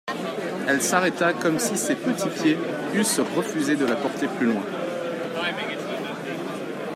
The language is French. Elle s'arrêta comme si ses petits pieds eussent refusé de la porter plus loin.